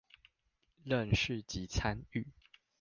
認識及參與